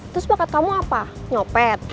terus bakat kamu apa nyopet